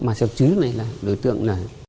mà theo chứng này là đối tượng